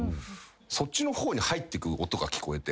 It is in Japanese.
そっちの方に入ってく音が聞こえて。